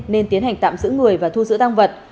nên tiến hành tạm giữ người và thu giữ tăng vật